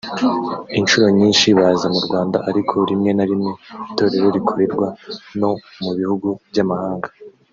Incuro nyinshi baza mu Rwanda ariko rimwe na rimwe itorero rikorerwa no mu bihugu by’amahanga